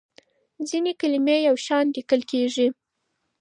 ځینې کلمې یو شان لیکل کېږي.